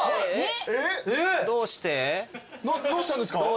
どうしたんですか？